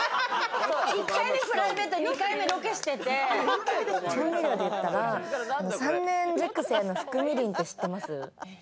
１回目プライベートで２回目ロケしてて、調味料でいったら、３年熟成の福みりんって知ってます？